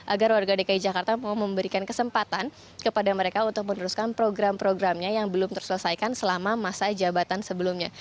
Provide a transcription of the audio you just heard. agar warga dki jakarta mau memberikan kesempatan kepada mereka untuk meneruskan program programnya yang belum terselesaikan selama masa jabatan sebelumnya